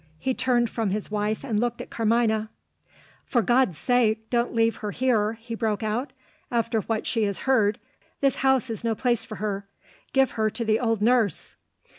He turned from his wife, and looked at Carmina. "For God's sake, don't leave her here!" he broke out. "After what she has heard, this house is no place for her. Give her to the old nurse!"